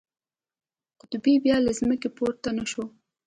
قبطي بیا له ځمکې پورته نه شو.